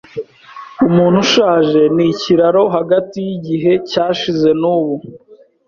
Umuntu ushaje ni ikiraro hagati yigihe cyashize nubu.